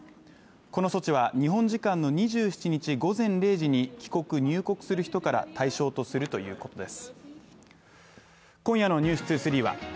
この措置は日本時間の２７日午前０時に帰国・入国する人から対象とするということです。